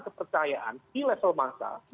kepercayaan di level masa